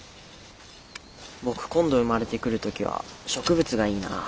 僕今度生まれてくる時は植物がいいなあ。